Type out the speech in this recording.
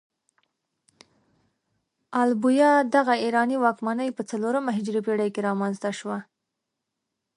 ال بویه دغه ایراني واکمنۍ په څلورمه هجري پيړۍ کې رامنځته شوه.